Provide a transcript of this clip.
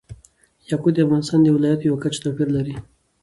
یاقوت د افغانستان د ولایاتو په کچه توپیر لري.